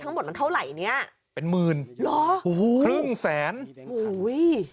ทั้งหมดมันเท่าไหร่เนี้ยเป็นหมื่นเหรอโอ้โหครึ่งแสนโอ้โห